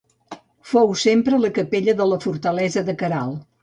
Fou sempre la capella de la fortalesa de Queralt.